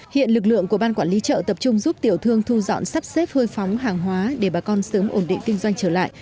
hiện lực lượng của ban quản lý chợ tập trung giúp tiểu thương thu dọn sắp xếp hơi phóng hàng hóa để bà con sớm ổn định kinh doanh trở lại